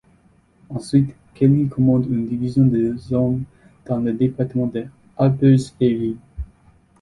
Ensuite, Kelley commande une division de hommes dans le département de Harper's Ferry.